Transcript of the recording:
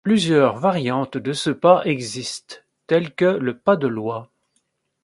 Plusieurs variantes de ce pas existent, tel que le pas de l'oie.